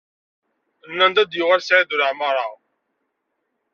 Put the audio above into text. Nnan-d ad yuɣal Saɛid Waɛmaṛ.